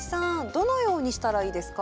どのようにしたらいいですか？